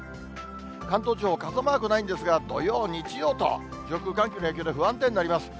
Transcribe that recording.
関東地方、傘マークないんですが、土曜、日曜と上空、寒気の影響で不安定になります。